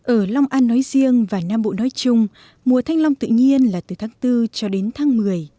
ở long an nói riêng và nam bộ nói chung mùa thanh long tự nhiên là từ tháng bốn cho đến tháng một mươi